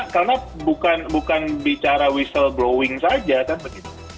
karena bukan bicara whistle blowing saja kan begitu